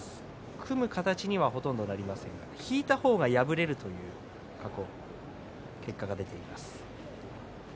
組む形にはほとんどなりませんが引いた方が敗れるという結果が出ています。